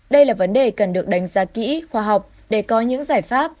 đây là vấn đề cần được đánh giá kỹ khoa học để có những giải pháp